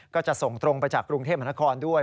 ก็จะส่งตรงไปจากกรุงเทพมหานครด้วย